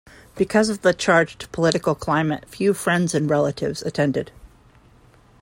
Because of the charged political climate few friends and relatives attended.